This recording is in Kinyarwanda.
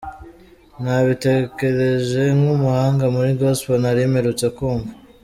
Nabitekereje nk'umuhanga muri Gospel ntari mperutse kumva.